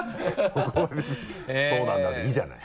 そこは別に「そうなんだ」でいいじゃない。